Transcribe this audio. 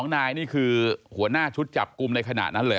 ๒นายนี่คือหัวหน้าชุดจับกลุ่มในขณะนั้นเลย